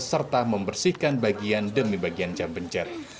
serta membersihkan bagian demi bagian jam pencet